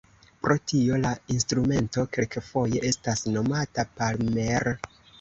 Pro tio la instrumento kelkfoje estas nomata "palmer".